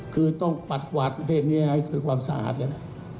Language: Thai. คือต้องปัดหวัดประเทศนี้ให้คือความสะอาดนะ